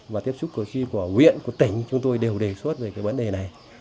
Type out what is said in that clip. và tiếp xúc cử tri của huyện của tỉnh chúng tôi đều đề xuất về cái vấn đề này